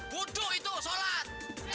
buduh itu sholat